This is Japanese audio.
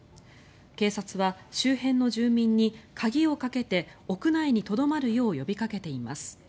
警察は周辺の住民に鍵をかけて屋内にとどまるよう呼びかけています。